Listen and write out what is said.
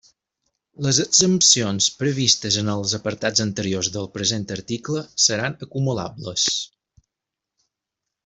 Les exempcions previstes en els apartats anteriors del present article seran acumulables.